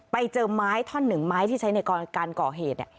ไปเจอไม้ท่อนหนึ่งไม้ที่ใช้ในการก่อเหตุ